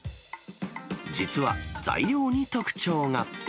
実は材料に特徴が。